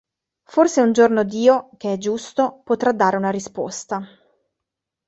Forse un giorno Dio, che è giusto, potrà dare una risposta”.